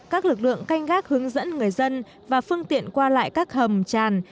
các lực lượng canh gác hướng dẫn người dân và phương tiện qua lại các hầm tràn